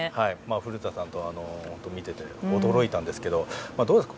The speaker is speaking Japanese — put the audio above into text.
古田さんと見てて驚いたんですけどどうですか？